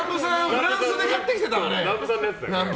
フランスで買ってきたのかな。